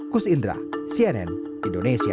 kus indra cnn indonesia